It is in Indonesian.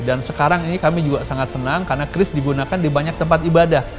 dan sekarang ini kami juga sangat senang karena kris digunakan di banyak tempat ibadah